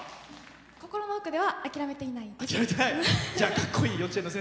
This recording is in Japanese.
心の奥では諦めていないです。